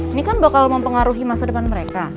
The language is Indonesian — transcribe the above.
ini kan bakal mempengaruhi masa depan mereka